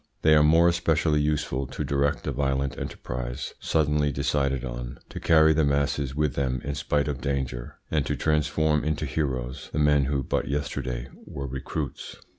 They are more especially useful to direct a violent enterprise suddenly decided on, to carry the masses with them in spite of danger, and to transform into heroes the men who but yesterday were recruits.